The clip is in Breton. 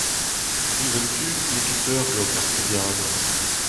Diouzh un tu n'eo ket peurglok ar studiadenn.